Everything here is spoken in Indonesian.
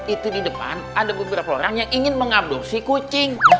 itu di depan ada beberapa orang yang ingin mengabduh si kucing